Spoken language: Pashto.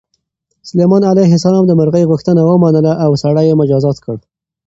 سلیمان علیه السلام د مرغۍ غوښتنه ومنله او سړی یې مجازات کړ.